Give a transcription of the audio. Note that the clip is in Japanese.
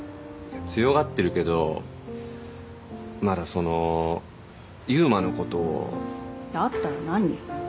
強がってるけどまだその悠馬のことをだったら何？